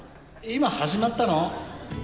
今、始まったの！